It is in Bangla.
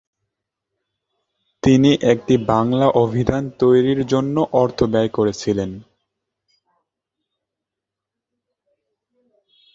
তিনি একটি বাংলা অভিধান তৈরির জন্যও অর্থ ব্যয় করছিলেন।